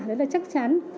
đấy là chắc chắn